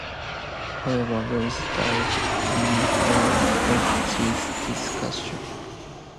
However, Wells died unaware of these decisions.